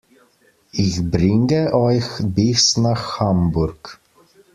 Ich bringe euch bis nach Hamburg